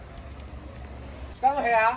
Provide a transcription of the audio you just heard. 下の部屋？